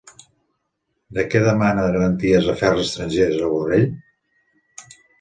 De què demana garanties Afers estrangers a Borrell?